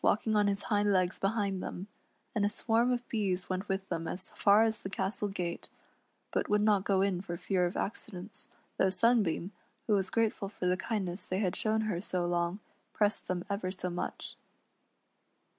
85 walking on his hind legs behind them, and a swarm of bees went with them as far as the castle gate, but would not go in for fear of accidents, though Sunbeam, who was grateful for the kindness they had shown her so long, pressed them ever so much.